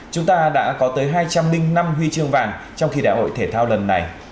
chúng ta đã có tới hai trăm linh năm huy chương vàng trong khi đại hội thể thao lần này